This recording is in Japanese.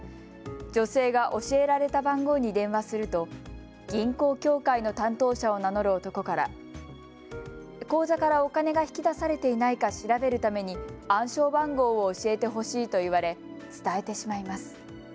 女性が教えられた番号に電話すると銀行協会の担当者を名乗る男から口座からお金が引き出されていないか調べるために暗証番号を教えてほしいと言われ伝えてしまいます。